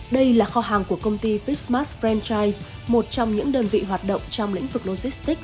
đây là kho hàng của công ty fismas franchise một trong những đơn vị hoạt động trong lĩnh vực logistic